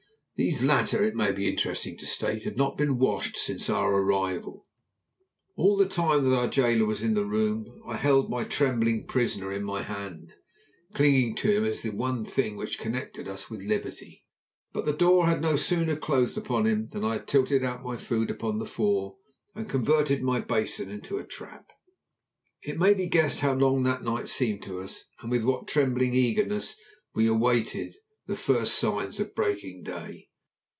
These latter, it may be interesting to state, had not been washed since our arrival. All the time that our jailer was in the room I held my trembling prisoner in my hand, clinging to him as to the one thing which connected us with liberty. But the door had no sooner closed upon him than I had tilted out my food upon the floor and converted my basin into a trap. It may be guessed how long that night seemed to us, and with what trembling eagerness we awaited the first signs of breaking day.